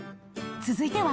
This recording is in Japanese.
続いては？